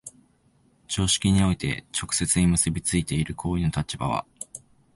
常識において直接に結び付いている行為の立場は、